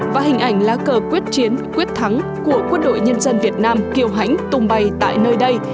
và hình ảnh lá cờ quyết chiến quyết thắng của quân đội nhân dân việt nam kiều hãnh tung bay tại nơi đây